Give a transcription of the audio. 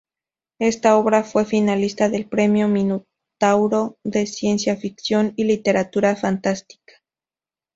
Esta obra fue finalista del Premio Minotauro de ciencia ficción y literatura fantástica.